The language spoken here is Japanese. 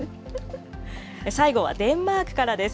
最後はデンマークからです。